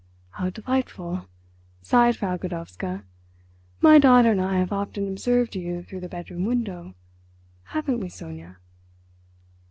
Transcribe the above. "How delightful," sighed Frau Godowska. "My daughter and I have often observed you through the bedroom window. Haven't we, Sonia?"